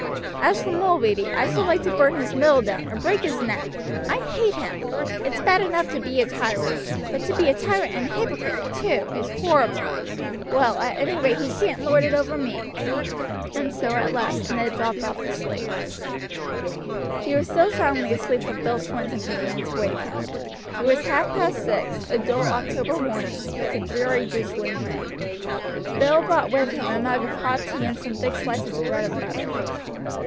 "As for Mulready I should like to burn his mill down, or to break his neck. I hate him: it's bad enough to be a tyrant; but to be a tyrant and a hypocrite, too, is horrible. Well, at any rate he shan't lord it over me;" and so at last Ned dropped off to sleep. He was still soundly asleep when Bill Swinton came in to wake him. It was half past six, a dull October morning, with a dreary drizzling rain. Bill brought with him a mug of hot tea and some thick slices of bread and butter.